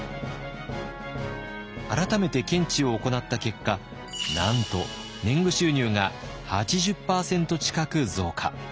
改めて検地を行った結果なんと年貢収入が８０％近く増加。